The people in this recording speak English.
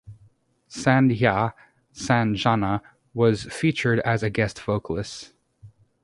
Sandhya Sanjana was featured as a guest vocalist.